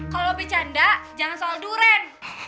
kalau bercanda jangan soal durian